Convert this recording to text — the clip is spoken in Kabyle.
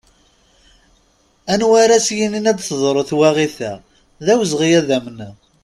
Anwa ara as-yinin ad teḍru twaɣit-a, d awezɣi ad amneɣ.